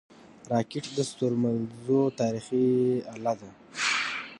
راکټ د ستورمزلو تاریخي اله ده